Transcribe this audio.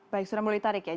baik sudah mulai ditarik ya